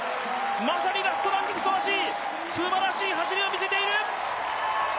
まさにラストランにふさわしいすばらしい走りを見せている。